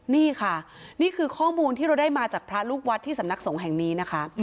นี่ค่ะนี่คือข้อมูลที่เราได้มาจากพระลูกวัดที่สำนักสงฆ์แห่งนี้นะคะ